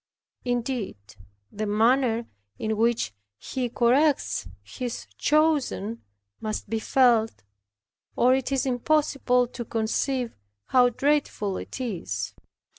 Indeed, the manner in which He corrects His chosen, must be felt, or it is impossible to conceive how dreadful it is.